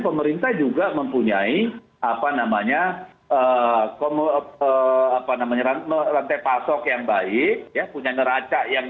pemerintah juga mempunyai apa namanya rantai pasok yang baik punya neraca yang